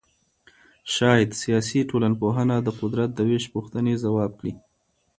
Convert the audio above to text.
شاید سیاسي ټولنپوهنه د قدرت د وېش پوښتنې ځواب کړي.